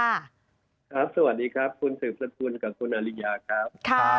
สวัสดีครับคุณสืบสกุลกับคุณอริยาครับ